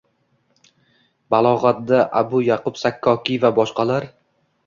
balog‘atda Abu Yaʼqub Sakkokiy va boshqalar.